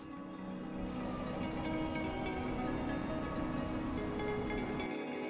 sumba adalah sebuah perjalanan yang sangat menarik